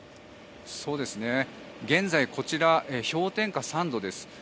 現在こちら氷点下３度です。